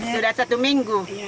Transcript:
sudah satu minggu